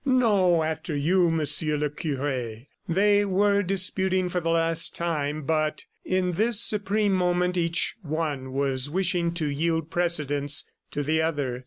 "No, after you, Monsieur le cure." They were disputing for the last time, but in this supreme moment each one was wishing to yield precedence to the other.